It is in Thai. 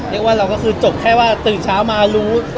เรียกว่าเราก็คือจบแค่ว่าตื่นเช้ามารู้